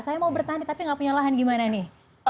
saya mau bertani tapi nggak punya lahan gimana nih